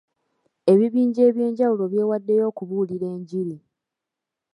Ebibinja eby'enjawulo byewaddeyo okubuulira enjiri.